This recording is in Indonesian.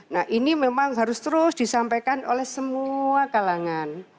nah ini memang harus terus disampaikan oleh semua kalangan